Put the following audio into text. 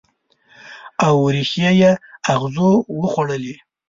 او ریښې یې اغزو وخوړلي